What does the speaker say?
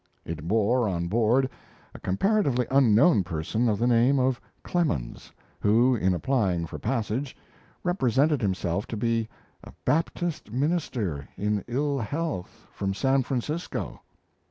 It bore on board a comparatively unknown person of the name of Clemens, who, in applying for passage, represented himself to be a Baptist minister in ill health from San Francisco!